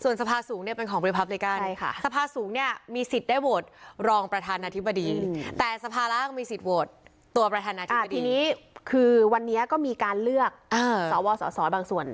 ส่วนสภาสูงเนี่ยเป็นของปริพฟับเลกาน